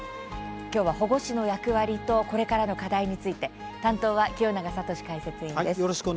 今日は、保護司の役割とこれからの課題について担当は清永聡解説委員です。